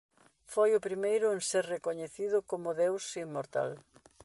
Foi o primeiro en ser recoñecido como deus inmortal.